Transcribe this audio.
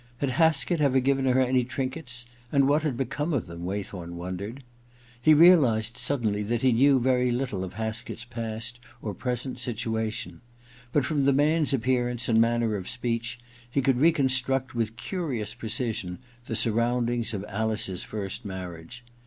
Had Haskett ever given her any trinkets — and what had become of them, Waythorn wondered ? He realized suddenly that he knew very little of Haskett's past or present situation ; but from the man's appearance and manner of speech he could reconstruct with curious precision the surroundings of Alice's first marriage.